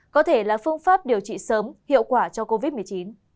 có thể là phương pháp điều trị sớm hiệu quả cho covid một mươi chín